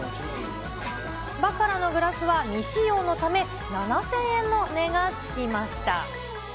バカラのグラスは未使用のため、７０００円の値がつきました。